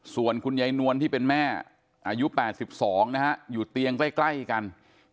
ส่วนคุณยายนวลที่เป็นแม่อายุ๘๒นะฮะอยู่เตียงใกล้กัน